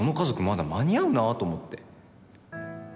まだ間に合うなと思って。